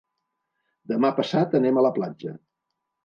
Demà passat anem a la platja.